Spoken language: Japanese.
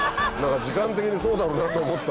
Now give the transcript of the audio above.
時間的にそうだろうなと思った。